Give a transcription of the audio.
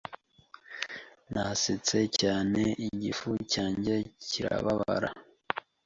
Nasetse cyane igifu cyanjye kirababara.